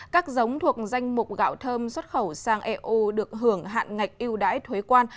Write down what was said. các giống thuộc danh mục gạo thơm xuất khẩu sang eu được hưởng hạn ngạch yêu đái thuế quan